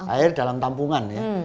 air dalam tampungan ya